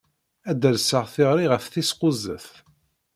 Ad d-alseɣ tiɣri ɣef tis kuẓet.